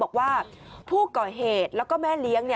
บอกว่าผู้ก่อเหตุแล้วก็แม่เลี้ยง